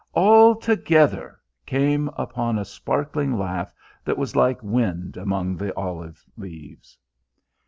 "Altogether!" came upon a sparkling laugh that was like wind among the olive leaves.